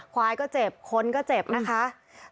ควายก็เจ็บคนก็เจ็บนะคะ